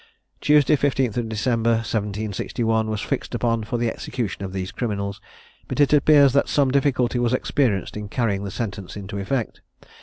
Tuesday the 15th December, 1761, was fixed upon for the execution of these criminals; but it appears that some difficulty was experienced in carrying the sentence into effect.